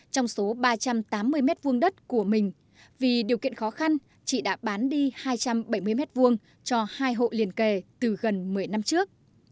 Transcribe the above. trong số ba trăm tám mươi mét vuông đất của mình vì điều kiện khó khăn chị đã bán đi hai trăm bảy mươi mét vuông cho hai hộ liền kề từ gần một mươi năm trước